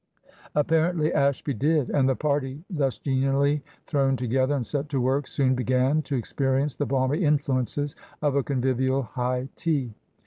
Apparently Ashby did; and the party, thus genially thrown together and set to work, soon began, to experience the balmy influences of a convivial high tea.